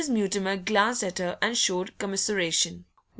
Mutimer glanced at her and showed commiseration.